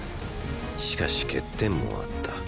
しかし欠点もあった。